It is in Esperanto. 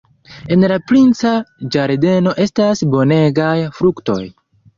En la princa ĝardeno estas bonegaj fruktoj.